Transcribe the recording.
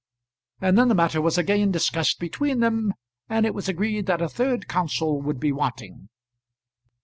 And then the matter was again discussed between them, and it was agreed that a third counsel would be wanting.